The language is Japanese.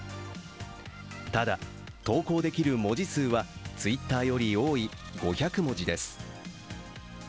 ただ、投稿できる文字数はＴｗｉｔｔｅｒより多い５００文字です。